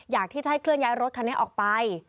อยากที่จะให้เคลื่อนย้ายรถคันนี้ออกไป